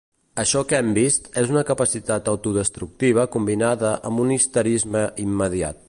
Això que hem vist és una capacitat autodestructiva combinada amb un histerisme immediat.